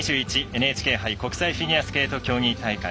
ＮＨＫ杯国際フィギュアスケート競技大会。